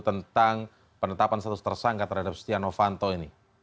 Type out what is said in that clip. tentang penetapan status tersangka terhadap setia novanto ini